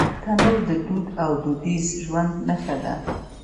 تنور د دود او دودیز ژوند نښه ده